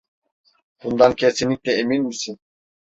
Bundan kesinlikle emin misin?